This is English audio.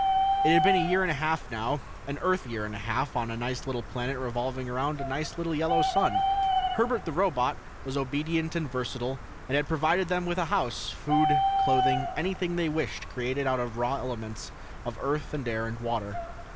It had been a year and a half now an Earth year and a half on a nice little planet revolving around a nice little yellow sun. Herbert, the robot, was obedient and versatile and had provided them with a house, food, clothing, anything they wished created out of the raw elements of earth and air and water.